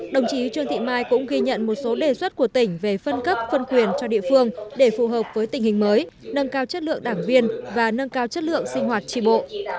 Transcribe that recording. đồng chí trương thị mai cũng ghi nhận một số đề xuất của tỉnh về phân cấp phân quyền cho địa phương để phù hợp với tình hình mới nâng cao chất lượng đảng viên và nâng cao chất lượng sinh hoạt tri bộ